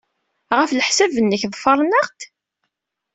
Ɣef leḥsab-nnek, ḍefren-aɣ-d?